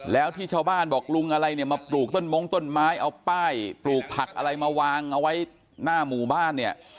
แล้วที่ชาวบ้านบอกลุงอะไรเนี่ยมาปลูกต้นมงต้นไม้เอาป้ายปลูกผักอะไรมาวางเอาไว้หน้าหมู่บ้านเนี่ย